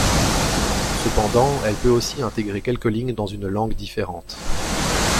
Cependant, elle peut aussi intégrer quelques lignes dans une langue différente.